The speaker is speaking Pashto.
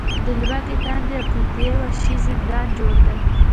د لوږې، تندې او قحطۍ وحشي زندان جوړ دی.